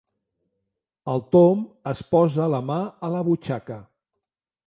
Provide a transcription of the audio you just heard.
El Tom es posa la mà a la butxaca.